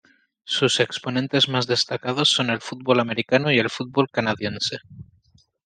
Sus exponentes más destacados son el fútbol americano y el fútbol canadiense.